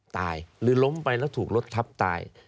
หรือล้มไปแล้วถูกรถทับตาย